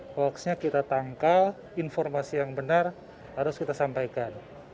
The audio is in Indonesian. hoaxnya kita tangkal informasi yang benar harus kita sampaikan